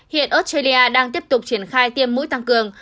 hiện australia đang tiếp tục triển khai tiêm mũi tăng cường